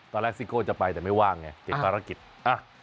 ตอนแรกซิงโก้จะไปแต่ไม่ว่างไงเก็บภารกิจ